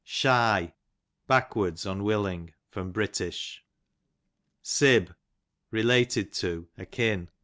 Shy, backwards, unwilling. Br. Sib, related to, akin.